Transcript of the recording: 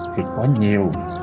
thì có nhiều